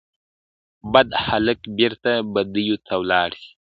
بد هلک بیرته بدیو ته ولاړ سي -